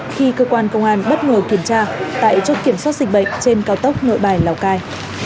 khi cơ quan công an bất ngờ kiểm tra tại chốt kiểm soát dịch bệnh trên cao tốc nội bài lào cai